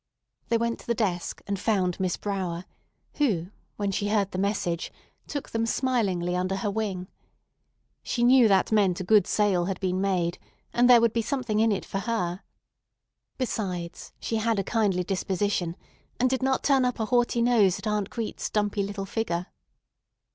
They went to the desk, and found Miss Brower, who, when she heard the message, took them smilingly under her wing. She knew that meant a good sale had been made, and there would be something in it for her. Besides, she had a kindly disposition, and did not turn up a haughty nose at Aunt Crete's dumpy little figure.